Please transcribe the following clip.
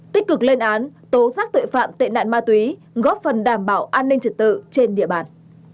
tích cực lên án tố giác tội phạm tệ nạn ma túy góp phần đảm bảo an ninh trật tự trên địa bàn